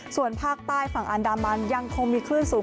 ส่วนภาคใต้ฝั่งอันดามันยังคงมีคลื่นสูง